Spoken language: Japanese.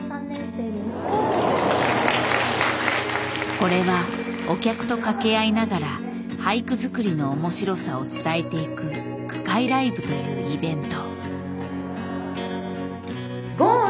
これはお客と掛け合いながら俳句作りの面白さを伝えていく句会ライブというイベント。